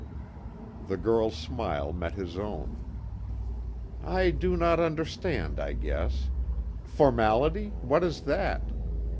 The girl's smile met his own: "I do not understand, I guess. Formality what is that?